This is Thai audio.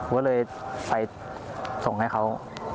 ก็เลยไปส่งให้เขา